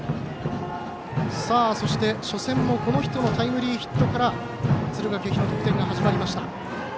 そして、初戦もこの人のタイムリーヒットから敦賀気比の得点が始まりました。